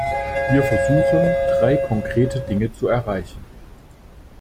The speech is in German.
Wir versuchen, drei konkrete Dinge zu erreichen.